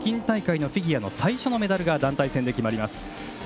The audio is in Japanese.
最初のフィギュアのメダルが団体戦で決まります。